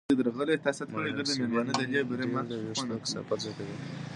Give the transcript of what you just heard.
ماینوکسیډیل د وېښتو کثافت زیاتوي.